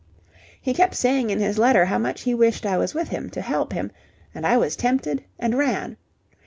He kept saying in his letter how much he wished I was with him, to help him, and I was tempted and ran.